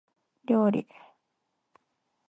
料理